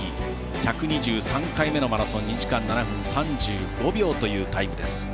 １２３回目のマラソン２時間７分３５秒というタイムです。